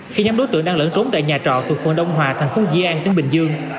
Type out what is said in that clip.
khi nhóm đối tượng đang lẫn trốn tại nhà trọ thuộc phường đông hòa thành phố di an tỉnh bình dương